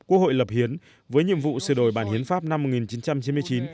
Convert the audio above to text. quốc hội lập hiến với nhiệm vụ sửa đổi bản hiến pháp năm một nghìn chín trăm chín mươi chín